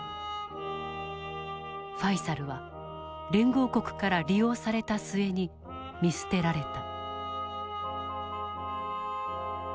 ファイサルは連合国から利用された末に見捨てられた。